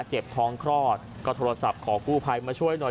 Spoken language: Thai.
เจ็บท้องคลอดก็โทรศัพท์ขอกู้ภัยมาช่วยหน่อย